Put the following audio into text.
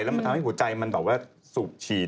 แล้วมันทำให้หัวใจมันแบบว่าสูบฉีด